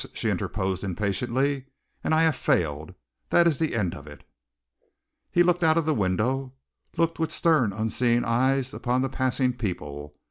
she interposed impatiently. "And I have failed! That is the end of it!" He looked out of the window, looked with stern, unseeing eyes upon the passing people.